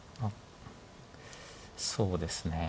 そうですね。